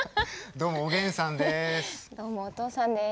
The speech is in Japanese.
どうもお父さんです。